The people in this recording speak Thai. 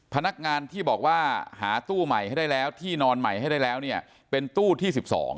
พนักงานที่บอกว่าหาตู้ใหม่ให้ได้แล้วที่นอนใหม่ให้ได้แล้วเนี่ยเป็นตู้ที่๑๒